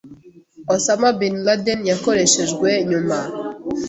Osam Bin Laden yakoreshejwe nyuma